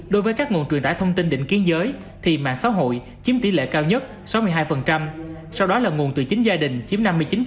đối với các nguồn truyền tải thông tin định kiến giới thì mạng xã hội chiếm tỷ lệ cao nhất sáu mươi hai sau đó là nguồn từ chính gia đình chiếm năm mươi chín